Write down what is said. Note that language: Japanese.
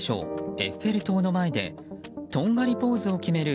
エッフェル塔の前でとんがりポーズを決める